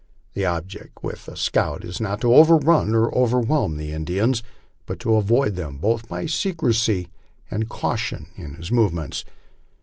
The object with the scout is not to outrun or over whelm the Indians, but to avoid both by secrecy and caution in his move pnents.